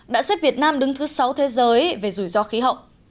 đã xếp việt nam đứng thứ sáu thế giới về rủi ro khí hậu